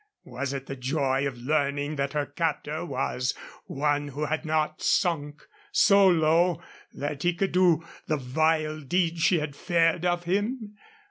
Was it the joy of learning that her captor was one who had not sunk so low that he could do the vile deeds she had feared of him?